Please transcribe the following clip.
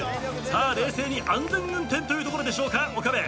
さあ冷静に安全運転というところでしょうか岡部。